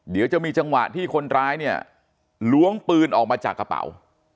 เดี๋ยวจะมีจังหวะที่คนร้ายเนี่ยล้วงปืนออกมาจากกระเป๋า